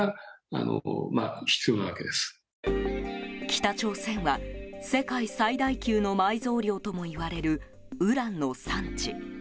北朝鮮は世界最大級の埋蔵量ともいわれるウランの産地。